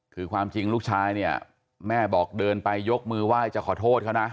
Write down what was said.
คือความจริงลูกชายเนี่ยแม่บอกเดินไปยกมือไหว้จะขอโทษเขานะ